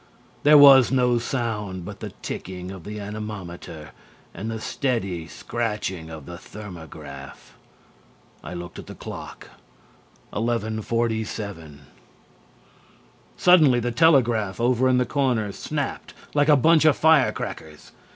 There was no sound but the ticking of the anemometer and the steady scratching of the thermograph. I looked at the clock. 11:47. Suddenly the telegraph over in the corner snapped like a bunch of firecrackers.